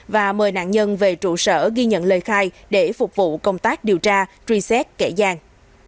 và mời nạn nhân về trụ sở ghi nhận lời khai để phục vụ công tác điều tra truy xét kẻ giang